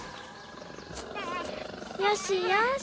よしよし。